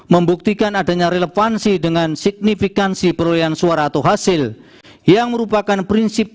membuktikan adanya relevansi dengan signifikansi perolehan suara atau hasil yang merupakan prinsip